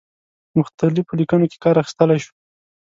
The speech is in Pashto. په مختلفو لیکنو کې کار اخیستلای شو.